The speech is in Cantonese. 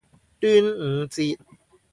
端午節